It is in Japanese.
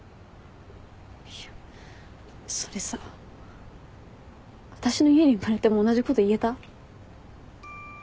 いやそれさ私の家に生まれても同じこと言えた？